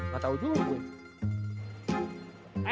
gak tau juga gue